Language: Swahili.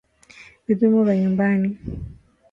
Vipimo vya nyumbani